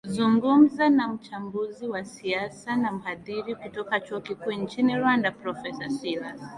zungumza na mchambuzi wa siasa na mhadhiri kutoka chuo kikuu nchini rwanda profesa silas